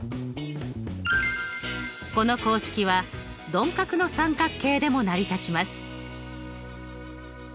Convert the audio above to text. この公式は鈍角の三角形でも成り立ちます。